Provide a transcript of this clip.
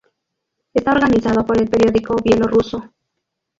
Está organizado por el periódico bielorruso, Прессбол.